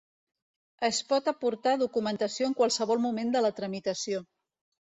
Es pot aportar documentació en qualsevol moment de la tramitació.